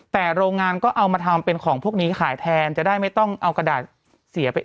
แต่โรงงานก็เอามาทำเป็นของพวกนี้ขายแทนจะได้ไม่ต้องเอากระดาษเสียไป